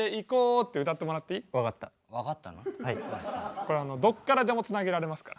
これはどっからでもつなげられますから。